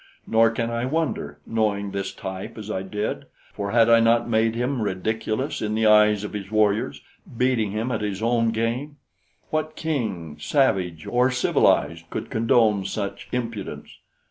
Nor can I wonder, knowing this type as I did, for had I not made him ridiculous in the eyes of his warriors, beating him at his own game? What king, savage or civilized, could condone such impudence?